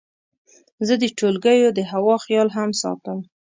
زه د ټولګیو د هوا خیال هم ساتم.